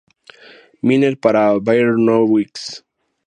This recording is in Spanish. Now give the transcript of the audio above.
Milner para "Baryonyx".